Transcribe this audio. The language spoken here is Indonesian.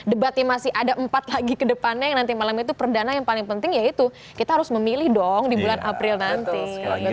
debatnya masih ada empat lagi kedepannya yang nanti malam itu perdana yang paling penting yaitu kita harus memilih dong di bulan april nanti